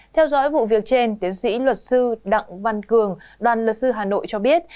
theo dõi vụ việc trên tiến sĩ luật sư đặng văn cường đoàn luật sư hà nội cho biết